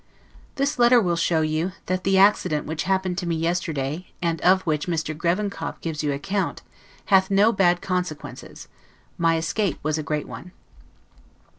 This letter will show you, that the accident which happened to me yesterday, and of which Mr. Grevenkop gives you account, hath had no bad consequences. My escape was a great one.